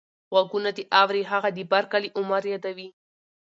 غوږونه دې اوري هغه د بر کلي عمر يادوې.